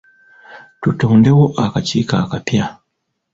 Tutondewo akakiiko akapya.